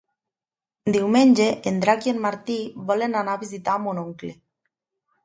Diumenge en Drac i en Martí volen anar a visitar mon oncle.